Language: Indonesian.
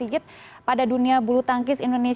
nah gimana penyakitreperty bijak handsikinik